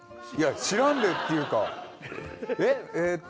いや「知らんで」っていうかえっ？